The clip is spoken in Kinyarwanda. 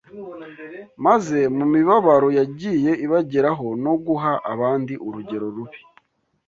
maze mu mibabaro yagiye ibageraho no guha abandi urugero rubi